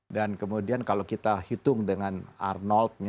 dan kemudian kalau kita hitung dengan arnold nya